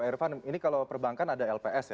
irvan ini kalau perbankan ada lps ya